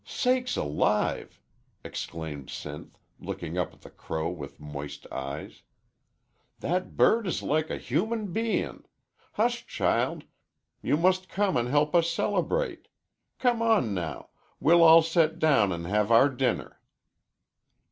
"Sakes alive!" exclaimed Sinth, looking up at the crow with moist eyes. "That bird is like a human bein'. Hush, child, you mus' come an' help us celebrate. Come on now; we'll all set down an' have our dinner."